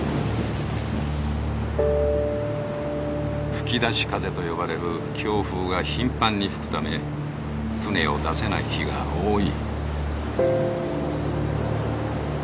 「吹き出し風」と呼ばれる強風が頻繁に吹くため船を出せない日が多い。